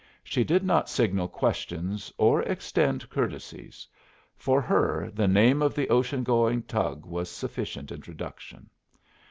She did not signal questions or extend courtesies. For her the name of the ocean going tug was sufficient introduction.